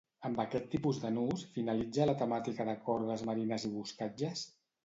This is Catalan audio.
Amb aquest tipus de nus finalitza la temàtica de cordes marines i boscatges?